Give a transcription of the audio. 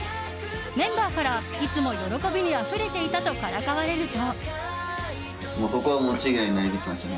メンバーから、いつも喜びにあふれていたとからかわれると。